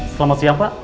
selamat siang pak